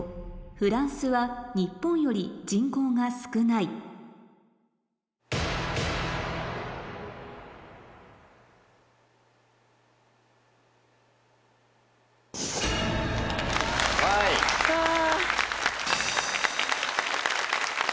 フランスは日本より人口が少ないはぁ。